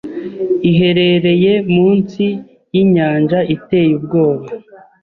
Iherereye munsi yinyanja iteye ubwoba